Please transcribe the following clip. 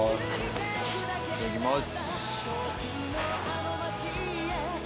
いただきます。